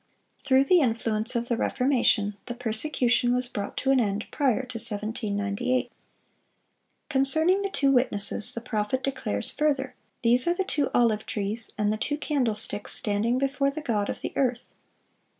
(387) Through the influence of the Reformation, the persecution was brought to an end prior to 1798. Concerning the two witnesses, the prophet declares further, "These are the two olive trees, and the two candle sticks standing before the God of the earth."